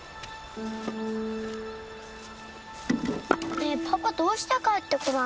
ねえパパどうして帰ってこないの？